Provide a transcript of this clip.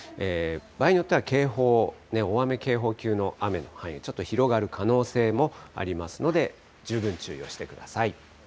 場合によっては警報、大雨警報級の雨の範囲が広がる可能性もありますので、十分注意をしてください。